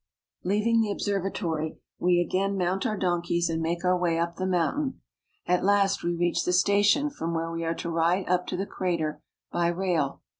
Leaving the observatory, we again mount our donkeys and make our way up the mountain. At last we reach the station from where we are to ride up to the crater by rail.